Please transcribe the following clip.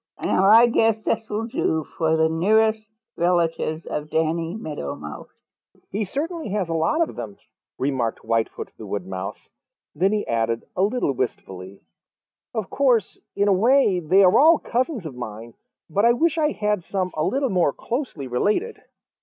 Now I guess this will do for the nearest relatives of Danny Meadow Mouse." "He certainly has a lot of them," remarked Whitefoot the Wood Mouse. Then he added a little wistfully, "Of course, in a way they are all cousins of mine, but I wish I had some a little more closely related."